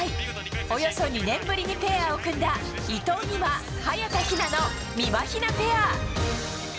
およそ２年ぶりにペアを組んだ伊藤美誠、早田ひなのみまひなペア。